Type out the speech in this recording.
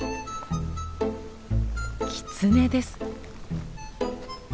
キツネです。